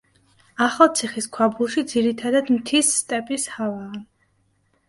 ახალციხის ქვაბულში ძირითადად მთის სტეპის ჰავაა.